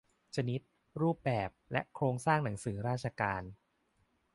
ชนิด รูปแบบ และโครงสร้างหนังสือราชการ